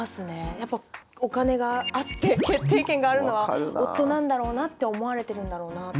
やっぱお金があって決定権があるのは夫なんだろうなって思われてるんだろうなとか。